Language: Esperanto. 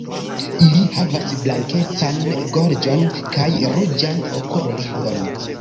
Ili havas blankecan gorĝon kaj ruĝan okulringon.